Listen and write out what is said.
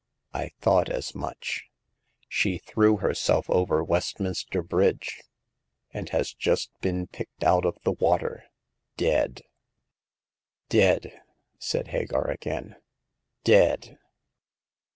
'' I thought as much." She threw herself over Westminster Bridge, and has just been picked out of the w^ater — dead !"" Dead !" said Hagar again. " Dead